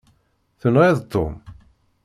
Tenɣiḍ Tom?